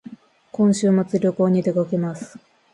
今週末旅行に出かけます